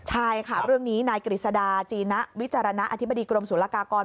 ใช่ค่ะเรื่องนี้นายกฤษดาจีนะวิจารณอธิบดีกรมศูนยากากร